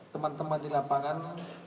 teman teman di lapangan